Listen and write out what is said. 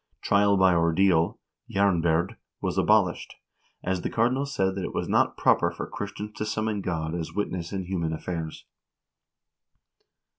1 Trial by ordeal (jernbyrd) was abolished, " as the cardinal said that it was not proper for Chris tians to summon God as witness in human affairs."